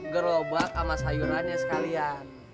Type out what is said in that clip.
gerobak sama sayurannya sekalian